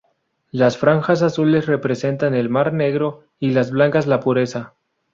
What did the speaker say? Las franjas azules representan el mar negro y las blancas la pureza.